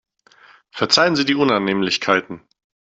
Verzeihen Sie die Unannehmlichkeiten.